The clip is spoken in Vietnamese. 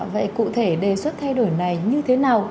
vậy cụ thể đề xuất thay đổi này như thế nào